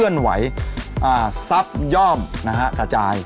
สวัสดีครับ